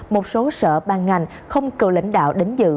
một số sở ban ngành không cử lãnh đạo đến dự